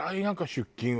出勤は。